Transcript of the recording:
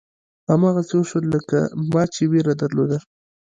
هماغسې وشول لکه ما چې وېره درلوده.